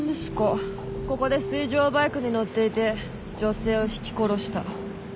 ここで水上バイクに乗っていて女性をひき殺した。